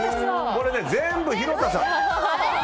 これ、全部廣田さん！